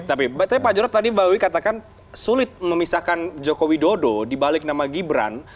tapi pak jorod tadi bahwa katakan sulit memisahkan jokowi dodo dibalik nama gibran